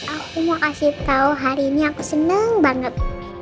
aku mau kasih tau hari ini aku senang banget